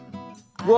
うわ！